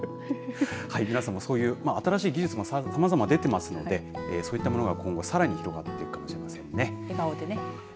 はい、皆さんも新しい技術もさまざま出ていますのでそういったものが今後さらに広がっていくかもしれませんね。